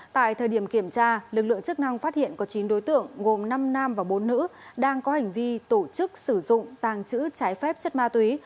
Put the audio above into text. tại thời điểm kiểm tra lực lượng chức năng phát hiện có chín đối tượng gồm năm nam và bốn nữ đang có hành vi tổ chức sử dụng tàng trữ trái phép chất ma túy